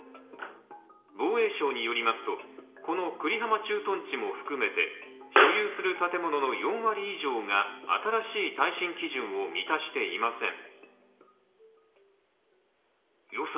防衛省によりますと、この久里浜駐屯地も含めて所有する建物の４割以上が新しい耐震基準を満たしていません。